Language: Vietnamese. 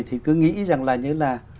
thì cứ nghĩ rằng là như là